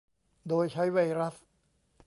โดยใช้ไวรัส